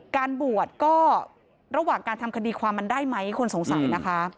การบวชก็ระหว่างการทำคดีความมันได้ไหมคนสงสัยนะคะ